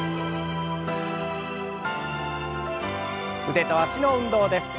腕と脚の運動です。